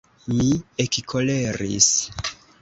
Mi ekkoleris.